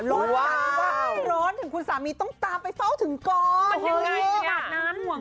ร้อนร้อนถึงคุณสามีต้องตามไปเฝ้าถึงก้อน